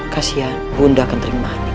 kasian bunda akan terima